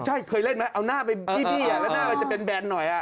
ใช่เคยเล่นไหมเอาหน้าไปบี้แล้วหน้าเราจะเป็นแบนหน่อย